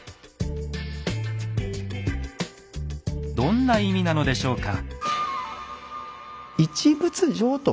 どんな意味なのでしょうか。